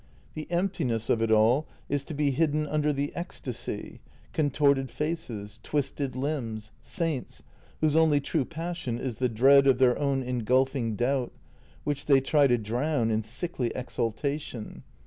The emptiness of it all is to be hidden under the esctasy — con torted faces, twisted limbs, saints, whose only true passion is the dread of their own engulfing doubt, which they try to drown in sickly exaltation.